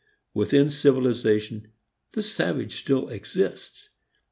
Within civilization, the savage still exists.